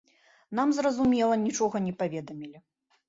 Нам, зразумела, нічога не паведамілі.